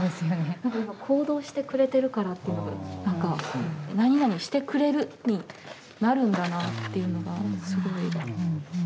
なんか今行動してくれてるからっていうのがなんか「なになにしてくれる」になるんだなっていうのがすごい。